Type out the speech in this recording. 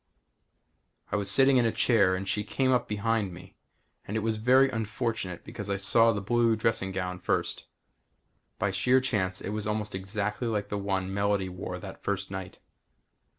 I was sitting in a chair and she came up behind me and it was very unfortunate because I saw the blue dressing gown first. By sheer chance it was almost exactly like the one Melody wore that first night.